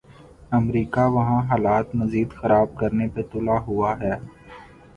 امریکہ وہاں حالات مزید خراب کرنے پہ تلا ہوا ہے۔